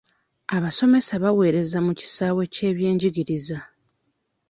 Abasomesa bawereza mu kisawe ky'ebyenjigiriza.